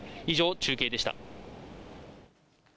以上、中継でした。